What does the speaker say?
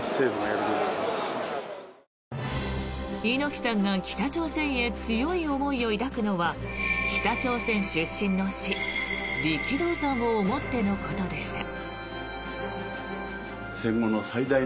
猪木さんが北朝鮮へ強い思いを抱くのは北朝鮮出身の師・力道山を思ってのことでした。